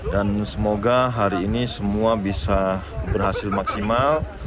dan semoga hari ini semua bisa berhasil maksimal